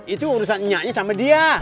itu urusan nyoknya sama dia